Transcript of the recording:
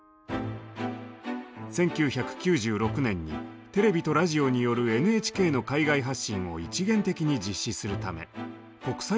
１９９６年にテレビとラジオによるＮＨＫの海外発信を一元的に実施するため国際放送局が発足。